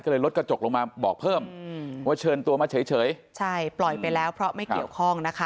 ก็เลยลดกระจกลงมาบอกเพิ่มว่าเชิญตัวมาเฉยใช่ปล่อยไปแล้วเพราะไม่เกี่ยวข้องนะคะ